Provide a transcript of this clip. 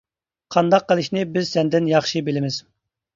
قانداق قىلىشنى بىز سەندىن ياخشى بىلىمىز.